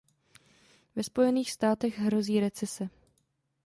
Ve Spojených státech hrozí recese.